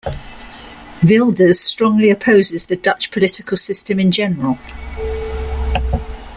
Wilders strongly opposes the Dutch political system in general.